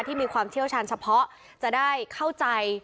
มีความเชี่ยวชาญเฉพาะจะได้เข้าใจ